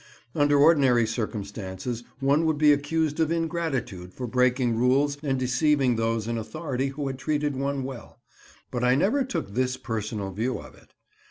Under ordinary circumstances one would be accused of ingratitude for breaking rules and deceiving those in authority who had treated one well, but I never took this personal view of it.